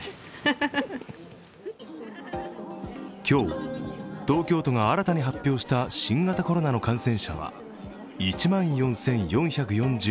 今日、東京都が新たに発表した新型コロナの感染者は１万４４４５人。